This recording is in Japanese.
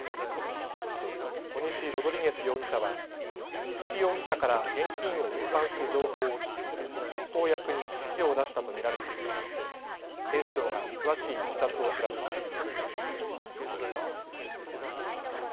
コニシ・ロドリゲス容疑者は菊地容疑者から現金を運搬する情報を聞き実行役に指示を出したと見られていて警視庁が詳しいいきさつを調べています。